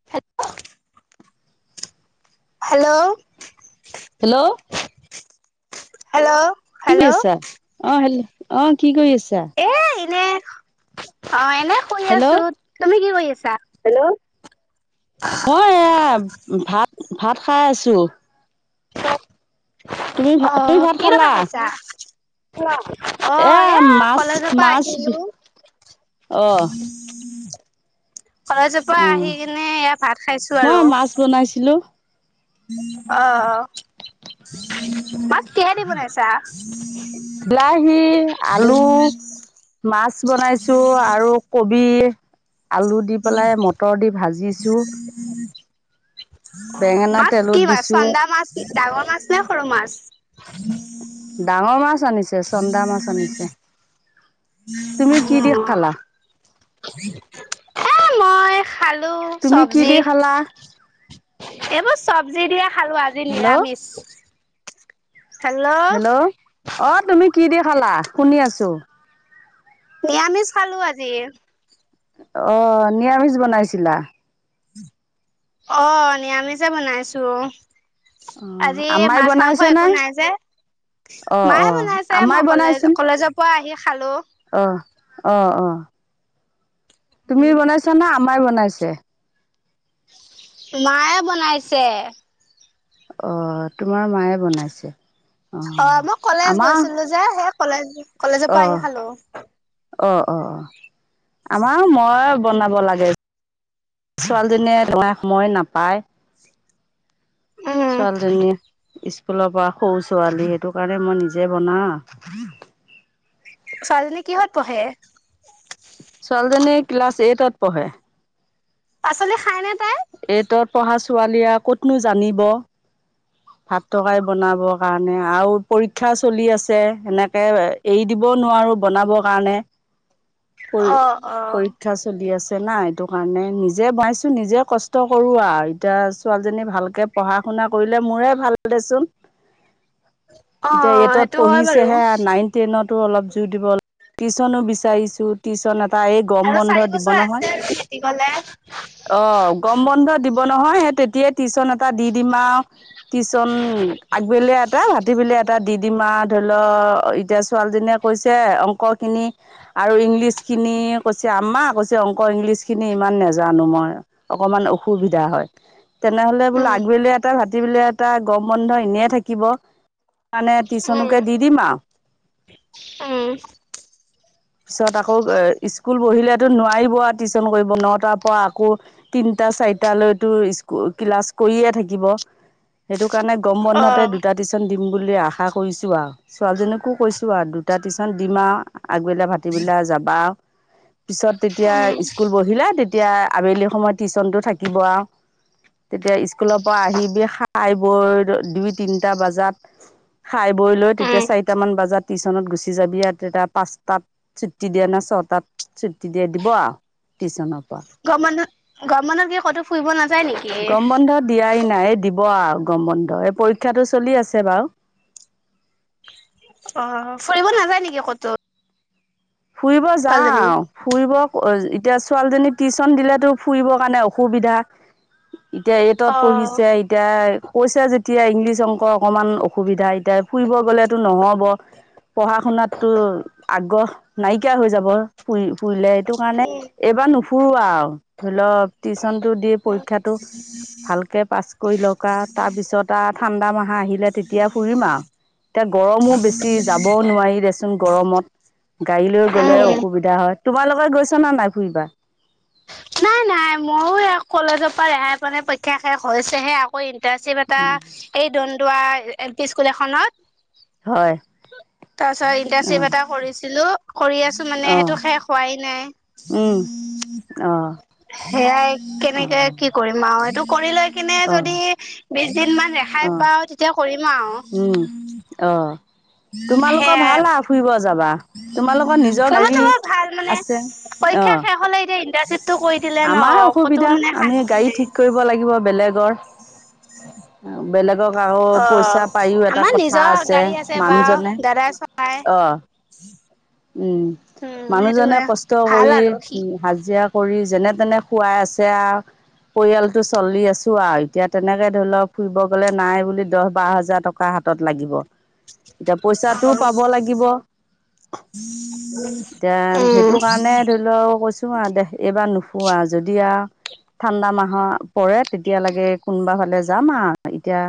[unintelligible] Hello. Hello. Hello. কি কই hello আছা? অ' হেল। অ' কি কৰি আছা? এ এনে, অ' এনে শুই হেল্ল' আছো তুমি কি কৰি আছা? হেল্ল'। মই এইয়া ভাত, ভাত খাই আছোঁ। তুমি ভাত তুমি অ' ভাত খালা? [unintelligible] খাইছা? এ অ' এয়া মাছ কলেজৰ পা মাছ আহিলো। অ কলেজ পৰা অ আহি কিনে এয়া ভাত খাইছো মই আৰু। মাছ বনাইছিলো। অ', মাছ কিহেদি বনাইছা? বিলাহী আলু মাছ বনাইছো আৰু কবি আলু দি পেলাই, মটৰ দি ভাজিছোঁ। অ বেঙেনা মাছ তেলত কি মাছ দিছো চন্দা মাছ ডাঙৰ মাছ নে সৰু মাছ? ডাঙৰ মাছ আনিছে, চন্দা মাছ আনিছে। তুমি কি দি খালা? [inaudible] আলু তুমি কি চব্জি দি খালা? এইবোৰ চব্জি দিয়ে খালো আজি হেল্ল' নিৰামিষ। হেল্ল' অ' তুমি কি দি খালা শুনি আছো। নিৰামিষ খালো আজি। অ' নিৰামিষ বনাইছিলা? অ' নিৰামিষে বনাইছো। অ আজি আমাই মাছ মাংস বনাইছে নে একো নাই যে। অ অ মায়ে বনাইছে আমাই মই কলেজ কলেজৰ পৰা আহি খালো। অহ অ', অ'। তুমি বনাইছা নে আমাই বনাইছে। মায়ে বনাইছে। অ' তোমাৰ মায়ে বনাইছে। অ' মই কলেজ আমাৰ গৈছিলো যে সেই কলেজ কলেজৰ অ পৰা আহি খালো। অ', অ' আমাৰো মই বনাব লাগে। ছোৱালীজনীয়ে [unintelligible] সময় নাপায়। উম, ছোৱালীজনী স্কুলৰ পৰা সৰু ছোৱালী সেইটো কাৰণে মই নিজে বনাও। ছোৱালীজনী কিহত পঢ়ে? ছোৱালীজনী ক্লাছ এইটত পঢ়ে। পাচলি খায়নে তাই? এইটত পঢ়া ছোৱালীয়ে ক'তনো জানিব। ভাত তৰকৰী বনাবৰ কাৰণে আও পৰীক্ষা চলি আছে সেনেকে এৰি দিব নোৱাৰো বনাবৰ কাৰণে পৰী অ', অ'। পৰীক্ষা আছ চলি আছে না সেইটো কাৰণে নিজে বনাইছোঁ নিজে কষ্ট কৰোঁ আও এতিয়া ছোৱালীজনী ভালকে পঢ়া শুনা কৰিলে মোৰে ভাল দেচোন। এতিয়া অ', এইটত সেইটো হয় বাৰু পঢ়িছেহে নাইন টেইনতো অলপ জোৰ দিব, টিউচনো বিচাৰিছো টিউচন এটা এক আৰু চাৰি বছৰ আছে আৰু মেট্ৰিকলে অ' গৰম বন্ধ দিব নহয় সেই তেতিয়াই টিউচন এটা দি দিম আও টিউচন আগবেলা এটা ভাতিবেলিয়া এটা দি দিম আও ধৰি লও এতিয়া ছোৱালীজনীয়ে কৈছে অংক খিনি আৰু ইংলিছ খিনি কৈছে আম্মা কৈছে অংক ইংলিছখিনি ইমান নাজানো মই অকমান অসুবিধা হয় তেনেহলে বোলো উম, আগবেলিয়া এটা ভাতিবেলিয়া এটা গম বন্ধ এনে থাকিব মানে উম, টিউচনকে দি দিম আও উম, পিছত আকৌ এ স্কুল বহিলেতো নোৱাৰিব আও টিউচন কৰিব নটাৰ পৰা আকৌ তিনটা চাৰিটা লৈকেটো স্কু ক্লাছ কৰিয়ে থাকিব সেইটো কাৰণে গম বন্ধতে অ', দুটা দিছ টিউচন দিম বুলি আশা কৰিছোঁ আও ছোৱালীজনীকো কৈছোঁ আও দুটা টিউচন দিম আও আগৱেলা ভাতিবেলা যাবা পিছত তেতিয়া উম, স্কুল বহিলে তেত তেতিয়া আবেলি সময়ত চিউচনটো থাকিব আও তেতিয়া স্কুলৰ পৰা আহিবি খাই বৈ দুই তিনিটা বজাত খাই বৈ লৈ তেতিয়া উম। চাৰিটা মান বজাত টিউচনত গুচি যাবি আৰু তেতিয়া পাঁচটাত ছুটি দিয়া না ছটাত ছুটি দিয়ে দিব আও টিউচনত গৰমবন্ধত, গৰমবন্ধত কি ক'তো ফুৰিব নাযায় নিকি? গম বন্ধ দিয়াই নাই দিব আৰু গৰম বন্ধ, এই পৰীক্ষাটো চলি আছে বাৰু। অ', ফুৰিব নাযায় নেকি ক'তো? ফুৰিব ছোৱালীজনী। যাওঁ। ফুৰিব অ', এতিয়া ছোৱালীজনীক টিউচন দিলেতো ফুৰিবৰ কাৰণে অসুবিধা। এতিয়া এইতত পঢ়িছে ই এতিয়া কৈছে যেতিয়া ইংলিছ, অংকৰ অকমান অসুবিধা এতিয়া ফুৰিব গ'লেতো নহ'ব। পঢ়া শুনাতটো আগ্ৰহ নাইকিয়া হৈ যাব ফুৰি ফুৰিলে এইটো কাৰণে এইবাৰ নুফুৰোঁ আৰু ধৰি ল' টিউচনটো দি পৰীক্ষাটো ভালকে পাছ কৰি লওঁক আৰু তাৰপিছত আৰু ঠাণ্ডা মাহ আহিলে তেতিয়া ফুৰিম আৰু। এতিয়া গৰমো বেছি, যাবও নোৱাৰি দেচোন গৰমত। গাড়ী লৈ গ'লে উম, অসুবিধা হয়, তোমাৰ লগত গৈছানে নাই ফুৰিবা? নাই নাই মইও এ কলেজৰ পৰা ৰেহাই পোৱা নাই, পৰীক্ষা শেষ হৈছেহে আকৌ ইন্টাৰ্শ্বিপ এটা এই দন্দুৱা এল পি স্কুল এখনত। হয়। তাৰপিছত ইন্টাৰ্শ্বিপ অঁ এটা কৰিছিলোঁ, কৰি আছ মানে অঁ সেইটো শেষ হোৱাই নাই। অ'। সেয়াই কেনেকে কি কৰিম? [unintelligible] এইটো কৰি লৈ কেনে অ যদি বিচ দিন মান অ ৰেহাই পাওঁ তেতিয়া কৰিম উম আৰু। অ'। তোমালোকৰ সেয়াই ভাল আৰু ফুৰিব যাবা, তোমালোকৰ নিজৰ ফুৰিব গাড়ী চুৰিব ভাল মানে আছে। পৰীক্ষা শেষ হ'লে এতিয়া ইন্টাশ্বিপটো কৰি দিলে ন আমাৰো ক'তো অসুবিধা, মানে আমি শান্তি গাড়ী নাই। ঠিক কৰি ব লাগিব বেলেগৰ, বেলেগৰ আৰু পইচা অ' পায়ও এটা আমাৰ কথা নিজৰ আছে, গাড়ী বাৰু মানুহজনে দাদাই চলাই। অ' উম উম, মানুহজনে সেইটোয়ে কষ্ট ভাল কৰি আৰু সি উম, হাজিৰা কৰি যেনে তেনে খুৱাই আছে আ পৰিয়ালটো চলি আছোঁ আৰু, এতিয়া তেনেকে লওঁক ফুৰিব গ'লে নাই বুলি দহ, বাৰ হাজাৰ টক কা হাতত লাগিব, এতিয়া পইচাটোও পাব লাগিব। এতিয়া উম, সেইটোকাৰণে ধৰি ল' কৈছোঁ আৰু দেহ, এইবাৰ নুফুৰোঁ যদি আউ ঠাণ্ডা মাহৰ পৰে তেতিয়া লাগে কোনবা ফালে যাম আ এতিয়া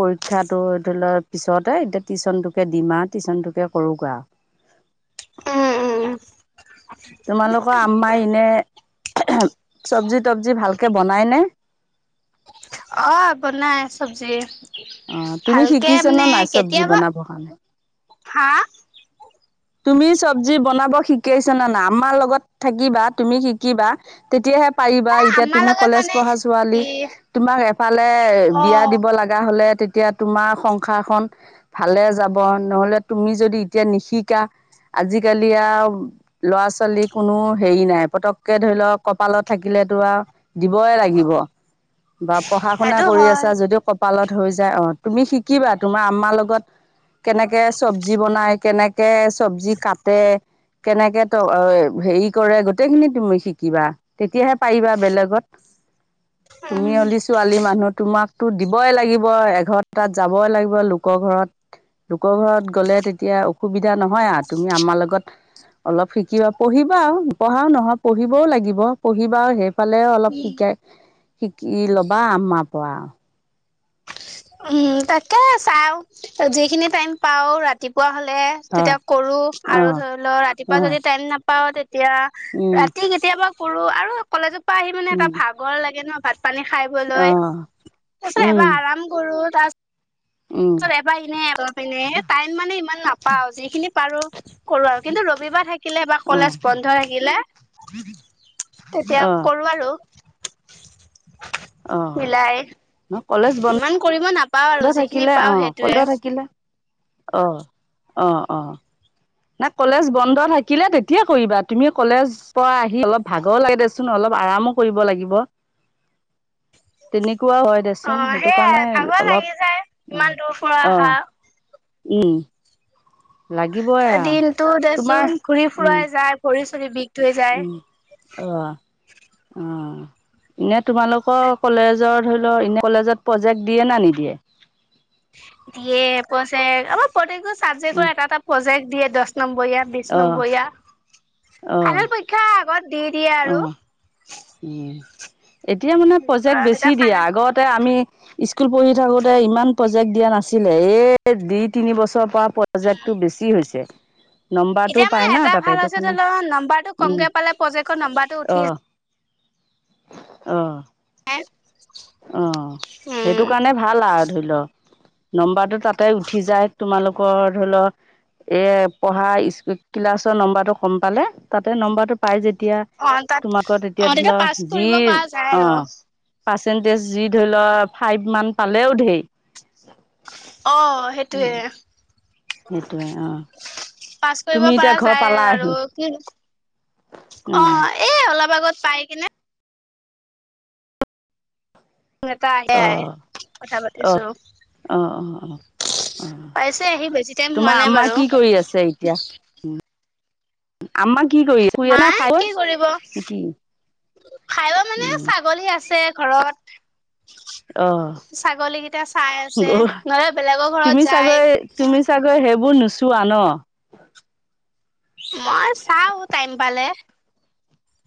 পৰীক্ষাটো ধৰি ল' পিছতে এতিয়া টিউচনটোকে দিম আৰু টিউচনটোকে কৰোগৈ আৰু। উম, উম। তোমালোকৰ আম্মাই এনে চবজি, তবজি ভালকে বনাইনে? অ', বনাই চবজি। অ', তুমি শিকিছানে নাই চবজি কেতিয়াবা বনাব কাৰণে? হা তুমি চবজি বনাব শিকিছানে নাই? আম্মা লগত থাকিবা, তুমি শিকিবা। তেতিয়াহে পাৰিবা এ এতিয়া আমাৰ তুমি লগত কলেজ মানে পঢ়া ছোৱালী, কি তোমাৰ এফালে বিয়া অ' দিব লাগ গা, হ'লে তেতিয়া তোমাৰ সংসাৰখন ভালে যাব, ন'হলে তুমি যদি এতিয়া নিশিকা আজিকালি আউ ল'ৰা, ছোৱালী কোনো হেৰি নাই, পতককে ধৰি লওঁক কপালত থাকিলেতো আও দিবই লাগিব, বা পঢ়া শুনা সেইটো কৰি হয় আছা যদিও কপালত হৈ যায় অ'। তুমি শিকিবা তোমাৰ আম্মাৰ লগত কেনেকে চব্জি বনায়, কেনে কে চব্জি কাটে কেনেকে ত' অ'- হেৰি কৰে, গোটেইখিনি তুমি শিকিবা। তেতিয়াহে পাৰিবা বেলেগত। তুমি উম, হলি ছোৱালী মানুহ, তোমাকতো দিবই লাগিব, এঘৰতাত যাবই লাগিব লোকৰ ঘৰত। লোকৰ ঘৰত গ'লে তেতিয়া অসুবিধা নহয় আ, তুমি আম্মা লগত অলপ শিকিবা। পঢ়িবাও, পঢ়াও নহয় পঢ়িবও লাগিব, পঢ়িবা আৰু সেই ফালেও অলপ উম। শিকাই- শিকি ল'বা আম্মাৰ পৰাওঁ। উম, তাকে চাও। যিখিনি টাইম পাওঁ ৰাতিপুৱা হ'লে হয় তেতিয়া কৰোঁ আৰু অ', ধৰি ল, ৰাতিপুৱা অ', যদি টাইম নাপাওঁ তেতিয়া উম, ৰাতি কেতিয়াবা কৰোঁ আৰু কলেজৰ পৰা আহি মানে এটা উম, ভাগৰ লাগে ন', ভাত-পানী খাই লৈ অ', তাৰপিছত এবাৰ উম, আৰাম কৰোঁ, তাৰ- উম, পিছত এনে অলপ [inaudible] পিনে টাইম মানে ইমান নাপাওঁ। যিখিনি পাৰোঁ কৰোঁ আৰু। কিন্তু ৰবিবাৰ থা কিলে বা অ', কলেজ বন্ধ থাকিলে, তেতিয়া অ', কৰোঁ আৰু। অ', মিলাই। কলেজ বন্ধ ইমান কৰিব নাপাওঁ আৰু যিখিনি থাকিলে পাও অ', সেইটোয়ে কলেজো থাকিলে। অ', অ', অ' না কলেজ বন্ধ থাকিলে তেতিয়া কৰিবা। তুমি কলেজ পৰা আহি অলপ ভাগৰ লাগে দেচো চোন অলপ আৰামো কৰিব লাগিব। তেনেকুৱা হয় দে অ চোন। সেইটো সেইয়াই কাৰণে ভাগৰ লাগি অলপ- যায় ইমান অ', দূৰ পৰা আহা অ', উম, লাগিব দিনটো দেচোন ঘূৰি-ফুৰাই যায়, ভৰি-চৰি বিষ ধুই যায় উম, অ', অ' নে তোমালোকৰ কলেজৰ ধৰি লও, এনে কলেজত প্ৰজেক্ট দিয়ে না নিদিয়ে? দিয়ে প্ৰজেক্ট। আমাৰ প্ৰত্যেকটো ছাবজেক্টৰ এটা এটা প্ৰজেক্ট দিয়ে দহ নম্বৰীয়া বিশ অ', নম্বৰীয়া। অ', অ', ফাইনেল পৰীক্ষা আগত দি দিয়ে আৰু উম, এতিয়া মানে প্ৰজেক্ট বেছি তেতিয়া দিয়ে, ফাইনেল আগত তে আমি স্কুল পঢ়ি থাকোঁতে ইমান প্ৰজেক্ট দিয়া নাছিলে। এই দুই-তিনি বছৰৰ পৰা পজেক্টটো বেছি হৈছে। নম্বাৰটো এতিয়া মানে পায় না এটা তাতে, ভাল এইটো হৈছে কাৰণে ধৰি লও নাম্বাৰটো উম, কমকে পালে প্ৰজেক্টৰ নাম্বাৰটো উঠি অ'। অ'। যায় অ', সেইটো উম কাৰণে ভাল আৰু ধৰি ল'। নম্বাৰটো তাতে উঠি যায়, তোমালোকৰ ধৰি ল এ পঢ়া ইস্- ক্লাছৰ নম্বৰটো কম পালে, তাতে নম্বৰটো পায় যে তিয়া অ তাত তোমাকো অ তেতিয়া ধি ল, পাছ কৰিব যি- পৰা যায় আৰু অ' তেন্তে যি ধৰি ল, ফাইভমান পালেও ঢে অ', সেইটোৱে। সেইটোৱে অ পাছ কৰিব তুমি এতিয়া পৰা ঘৰ যায় আৰু পালাহি কি অ' এ অলপ আগত পাই কেনে [unintelligible] এটা আহে। অ কথা অ'। পাতিছো অ', অ', অ'। অ' পাইছে আহি বেছি টাইম হোৱা তোমাৰ নাই আম্মা বাৰু কি কৰি আছে এতিয়া? আম্মা কি কৰি শুই আছে নে মায়ে খাই বৈ কি কৰিব? কি ফাইবা মানে উম ছাগলী আছে ঘৰত অ ছাগলী কেইটা চাই আছে, নহলে বেলেগৰ তুমি ঘৰত যায়। চাগৈ তুমি চাগৈ সেইবোৰ নুচোৱা ন'? মই চাওঁ টাইম পালে।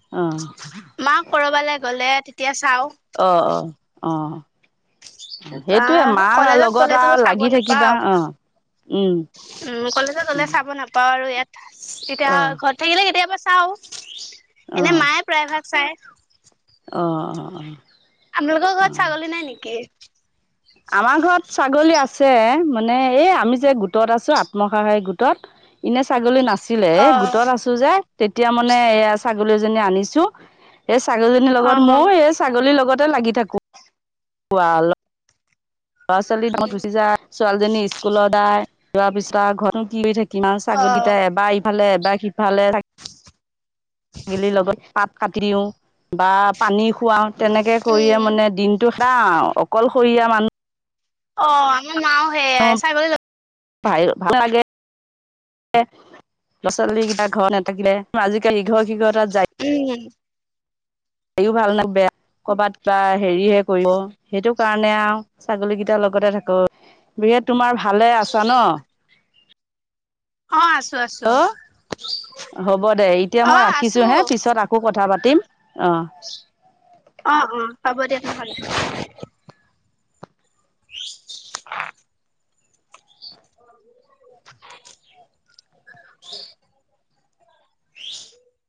অ'। মাক ক'ৰবালৈ গ'লে তেতিয়া চাওঁ। অ', অ', অ'। বা সেইটোয়ে মা কলেজত লগত গ'লেতো আৰু চাব লাগি থাকিবা, নাপাও অ'। উম উম, কলেজে হ'লে উম চাব নাপাওঁ আৰু ইয়াত। তেতিয়া, অ ঘৰত থাকিলে কেতিয়াবা চাওঁ। অ'। প্ৰায় ভাক চাই। অ', অ', অ'। আপোনালোকৰ ঘৰত ছাগলী নাই নেকি? আমাৰ ঘৰত ছাগলী আছে, মানে এই আমি যে গোটত আছোঁ আত্মসহায়ক গোটত। ইনেই ছাগলী না ছিলে, অ এই গোটত আছোঁ যে, তেতিয়া মানে এয়া ছাগলীজনী আনিছোঁ। এই ছাগলীজনীৰ লগত, অ ময়ো এই ছাগলীৰ লগতে লাগি থাকোঁ, আৰু ল'ৰা-ছোৱালীৰ দামত গুচি যায়, ছোৱালীজনী স্কুলত যা, যোৱাৰ পিছত আৰু ঘৰত নো কি থাকি ম, অ', ছাগলীকিতাই এবাৰ ইফালে, এবাৰ সিফা লে, [unintelligible] লগত পাত কাটি দিওঁ, বা পানী খুৱওঁ। তেনেকে কৰিয়ে উম, মানে দিনটো খেডাও আৰু, অকলশৰীয়া মানুহ। অ', আমাৰ মাও সেয়াই, ছাগলী [unintelligible] ভাল লাগে, ল'ৰা-ছোৱালী কেইটা ঘৰত নেথাকিলে। আজিকালি ইঘৰ সিঘৰ তাত যাই। উম। বাকীও ভাল নে বেয়া, কৰবাত বা হেৰি হে কৰিব, সেইটো কাৰণে আৰু, ছাগলী কেইটাৰ লগতে থাকোঁ, বিয়ে তোমৰ ভালে আছা ন'? অ', আছোঁ, আছোঁ। অ', হ'ব দে, এতিয়া মই অ', আছো ৰাখিছোঁ হে, পিছত আকৌ কথা পাতিম, অ'। অ', অ', হ'ব দিয়া নহলে। [unintelligible]